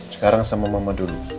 sekarang sama mama dulu